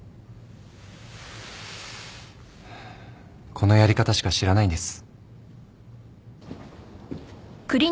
このやり方しか知らないんです。